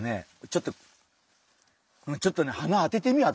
ちょっとちょっとね鼻当ててみあとで！